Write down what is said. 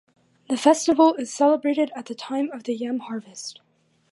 The festival is celebrated at the time of the yam harvest.